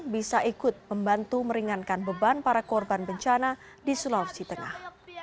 bisa ikut membantu meringankan beban para korban bencana di sulawesi tengah